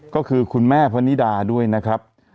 ก็คือคุณแม่พนิดาด้วยนะครับ